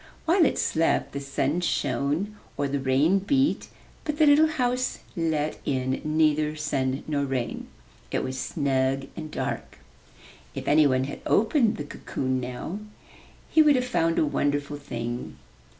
While it slept the sun shone or the rain beat, but the little house let in neither sun nor rain. It was snug and dark. 48 UP ONE PAIR OF STAIRS If anyone had opened the cocoon now he would have found a wonderful thing.